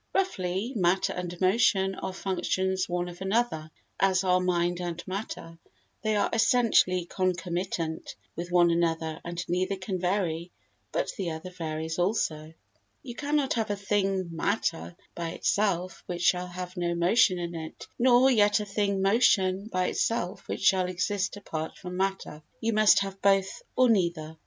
Roughly, matter and motion are functions one of another, as are mind and matter; they are essentially concomitant with one another, and neither can vary but the other varies also. You cannot have a thing "matter" by itself which shall have no motion in it, nor yet a thing "motion" by itself which shall exist apart from matter; you must have both or neither.